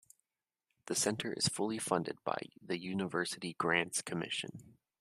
The Center is fully funded by the University Grants Commission.